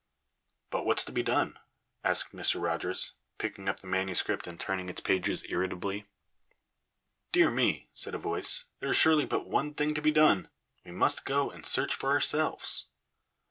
"But what's to be done?" asked Mr. Rogers, picking up the manuscript and turning its pages irritably. "Dear me," said a voice, "there is surely but one thing to be done! We must go and search for ourselves."